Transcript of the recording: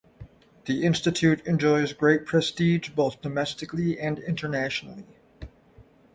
The institute enjoys great prestige both domestically and internationally.